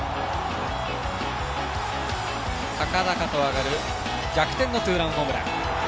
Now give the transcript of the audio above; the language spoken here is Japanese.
高々と上がる逆転のツーランホームラン。